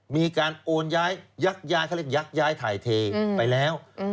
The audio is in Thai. มีการโอนย้ายยักย้ายเขาเรียกยักย้ายถ่ายเทไปแล้ว